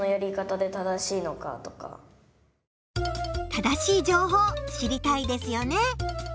正しい情報知りたいですよね。